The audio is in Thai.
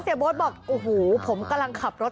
เซียบ๊นบอกโอ้โฮผมกำลังขับรถ